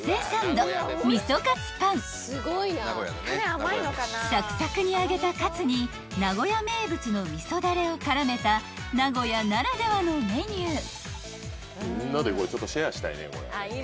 ［サクサクに揚げたカツに名古屋名物の味噌だれを絡めた名古屋ならではのメニュー］